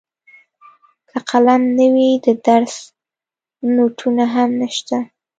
که قلم نه وي د درس نوټونه هم نشته.